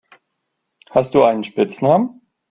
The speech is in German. Hast du einen Spitznamen?